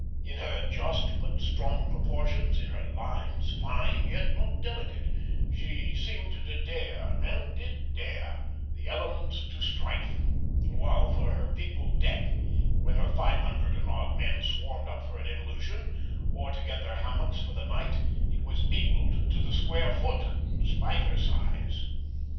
In her just but strong proportions, in her lines, fine yet not delicate, she "seemed to dare," and did dare, "the elements to strife;" while for "her peopled deck," when her five hundred and odd men swarmed up for an evolution, or to get their hammocks for the night, it was peopled to the square foot, despite her size.